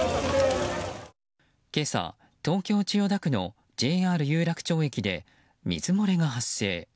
今朝、東京・千代田区のＪＲ有楽町駅で水漏れが発生。